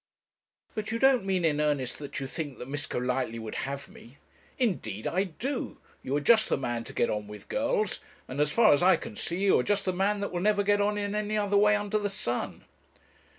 'But you don't mean in earnest that you think that Miss Golightly would have me?' 'Indeed I do you are just the man to get on with girls; and, as far as I can see, you are just the man that will never get on in any other way under the sun.'